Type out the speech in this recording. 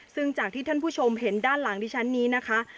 ซึ่งจากที่ท่านผู้ชมเห็นด้านหลังดิฉันนี้นะคะ